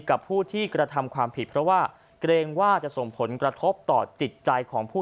กับผู้ที่กระทำความผิดเพราะว่าเกรงว่าจะส่งผลกระทบต่อจิตใจของผู้